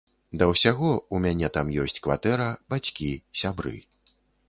Да ўсяго, у мяне там ёсць кватэра, бацькі, сябры.